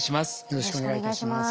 よろしくお願いします。